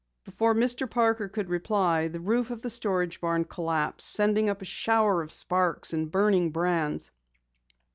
Before Mr. Parker could reply, the roof of the storage barn collapsed, sending up a shower of sparks and burning brands.